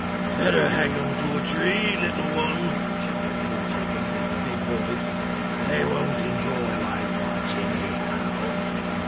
"Better hang 'em to a tree, little one," shouted Wul Takim, in his big voice; "they won't enjoy life much, anyhow."